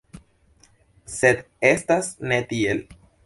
Sed estas ne tiel.